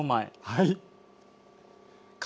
はい。